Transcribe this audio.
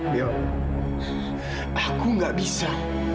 mel aku gak bisa